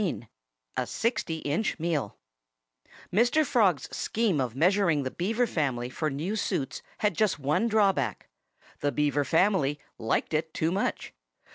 XIII A SIXTY INCH MEAL Mr. Frog's scheme of measuring the Beaver family for new suits had just one drawback; the Beaver family liked it too well.